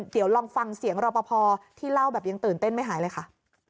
เดี๋ยวลองฟังเสียงรอปภที่เล่าแบบยังตื่นเต้นไม่หายเลยค่ะ